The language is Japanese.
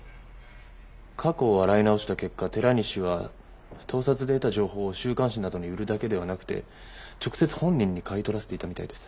過去を洗い直した結果寺西は盗撮で得た情報を週刊誌などに売るだけではなくて直接本人に買い取らせていたみたいです。